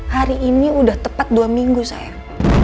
hari ini udah tepat dua minggu saya